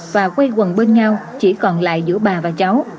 và quay quần bên nhau chỉ còn lại giữa bà và cháu